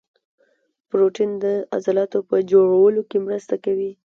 پروټین د عضلاتو په جوړولو کې مرسته کوي